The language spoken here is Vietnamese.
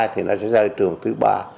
thì nó sẽ rơi trường thứ ba